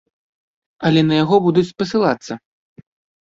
Але на яго будуць спасылацца.